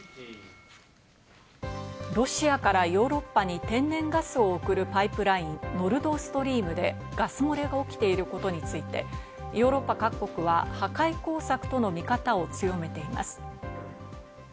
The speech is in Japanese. ロシアからヨーロッパに天然ガスを送るパイプライン、ノルドストリームでガス漏れが起きていることについて、ヨーロッパ各国は破壊工作との見方を強めています。